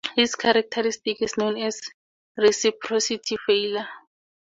This characteristic is known as "reciprocity failure".